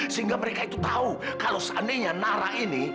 sehingga mereka itu tahu kalau seandainya nara ini